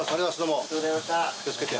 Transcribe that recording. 気を付けて。